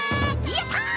やった！